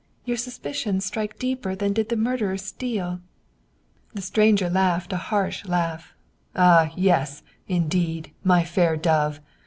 Your suspicions strike deeper than did the murderer's steel !" The stranger laughed a harsh laugh. " Ah, yes, indeed, my fair dove